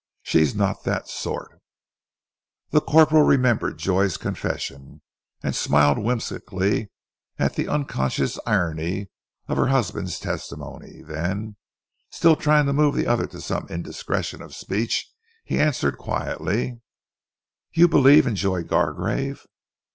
She's not that sort." The corporal remembered Joy's confession and smiled whimsically at the unconscious irony of her husband's testimony, then, still trying to move the other to some indiscretion of speech, he answered quietly, "You believe in Joy Gargrave?